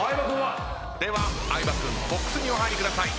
では相葉君ボックスにお入りください。